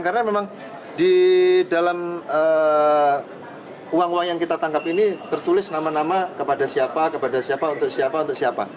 karena memang di dalam uang uang yang kita tangkap ini tertulis nama nama kepada siapa kepada siapa untuk siapa untuk siapa